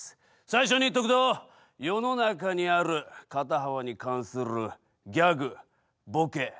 最初に言っとくと世の中にある肩幅に関するギャグボケ